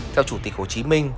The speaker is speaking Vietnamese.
theo chủ tịch hồ chí minh